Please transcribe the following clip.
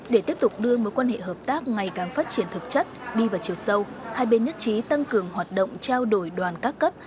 để tiếp tục đưa mối quan hệ hợp tác ngày càng phát triển thực chất đi vào chiều sâu hai bên nhất trí tăng cường hoạt động trao đổi đoàn các cấp